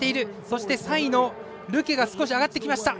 そして３位のルケが少し上がってきました。